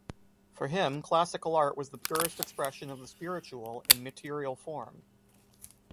For him, Classical art was the purest expression of the spiritual in material form.